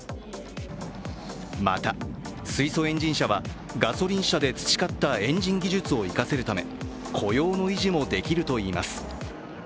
また、水素エンジン車はガソリン車で培ったエンジン技術を生かせるため雇用の維持もできるといいます。